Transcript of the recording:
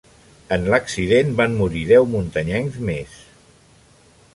En l'accident van morir deu muntanyencs més.